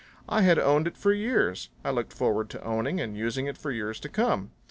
I had owned it for years; I looked forward to owning and using it for years to come.